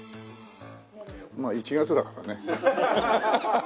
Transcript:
まあ１月だからね。